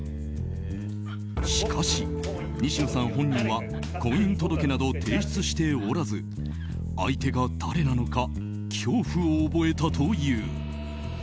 しかし、西野さん本人は婚姻届など提出しておらず相手が誰なのか恐怖を覚えたという。